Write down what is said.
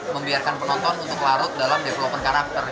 membiarkan penonton untuk larut dalam development karakter